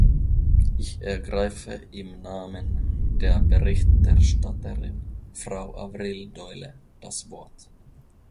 Ich ergreife im Namen der Berichterstatterin, Frau Avril Doyle, das Wort.